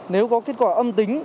nếu có kết quả âm tính